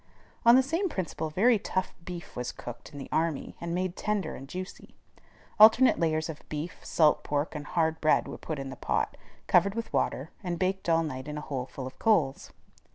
On the same principle very tough beef was cooked in the army, and made tender and juicy. Alternate layers of beef, salt pork, and hard bread were put in the pot, covered with water, and baked all night in a hole full of coals.